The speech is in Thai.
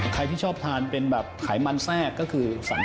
ใครที่ชอบทานเป็นแบบไขมันแทรกก็คือฝัน